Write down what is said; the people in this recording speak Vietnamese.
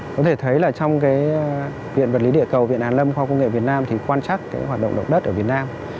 có thể thấy trong viện vật lý địa cầu viện hàn lâm khoa cung nghệ việt nam quan trắc hoạt động động đất ở việt nam